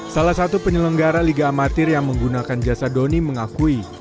salah satu penyelenggara liga amatir yang menggunakan jasa doni mengakui